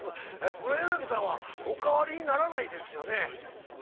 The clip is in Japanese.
黒柳さんはお変わりにならないですよね。